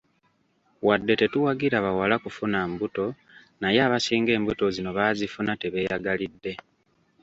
Wadde tetuwagira bawala kufuna mbuto naye abasinga embuto zino baazifuna tebeeyagalidde.